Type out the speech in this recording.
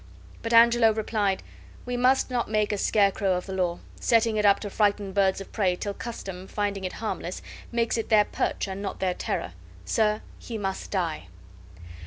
But Angelo replied: "We must not make a scarecrow of the law, setting it up to frighten birds of prey, till custom, finding it harmless, makes it their perch and not their terror. Sir, he must die."